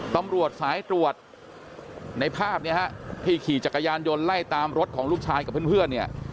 ตำรวจสายตรวจในภาพเนี่ยฮะที่ขี่จักรยานยนต์ไล่ตามรถของลูกชายกับเพื่อนเนี่ย